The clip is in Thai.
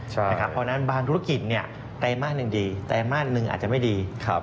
เพราะฉะนั้นบางธุรกิจไตรมาสหนึ่งดีไตรมาสหนึ่งอาจจะไม่ดี